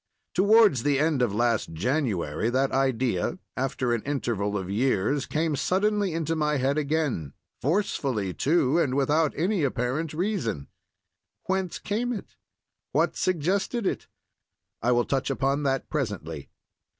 Towards the end of last January that idea, after an interval of years, came suddenly into my head again—forcefully, too, and without any apparent reason. Whence came it? What suggested it? I will touch upon that presently.